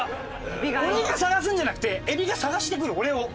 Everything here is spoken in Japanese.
俺が探すんじゃなくてえびが探してくる俺を。